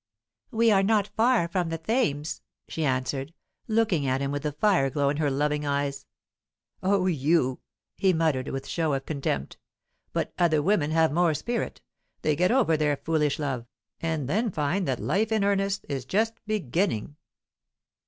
"We are not far from the Thames," she answered, looking at him with the fire glow in her loving eyes. "Oh, you!" he muttered, with show of contempt. "But other women have more spirit. They get over their foolish love, and then find that life in earnest is just beginning."